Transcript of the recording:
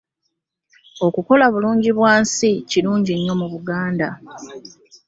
Okukola bulungi bwansi kirungi nnyo mu Buganda.